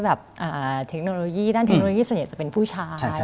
มีเทคโนโลยีส่วนใหญ่จะเป็นผู้ชาย